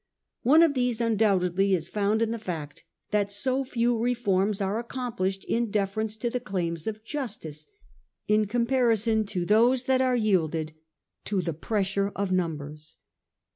One of these undoubtedly is found in the fact that so few reforms are accomplished in deference to the claims of justice, in comparison with those that are yielded to the pressure of numbers.